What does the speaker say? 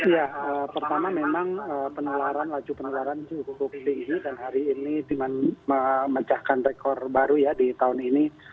ya pertama memang penularan laju penularan cukup tinggi dan hari ini memecahkan rekor baru ya di tahun ini